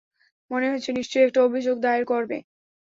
মনে হচ্ছে নিশ্চয়ই একটা অভিযোগ দায়ের করবে।